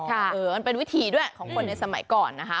มันเป็นวิธีด้วยของคนในสมัยก่อนนะคะ